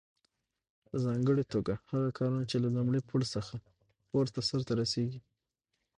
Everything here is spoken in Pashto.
په ځانګړي توګه هغه کارونه چې له لومړي پوړ څخه پورته سرته رسیږي.